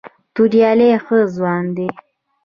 توریالی ښه ځوان دی.